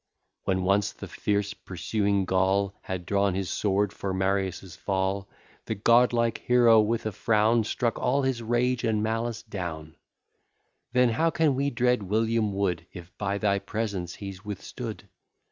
When once the fierce pursuing Gaul Had drawn his sword for Marius' fall, The godlike hero with a frown Struck all his rage and malice down; Then how can we dread William Wood, If by thy presence he's withstood?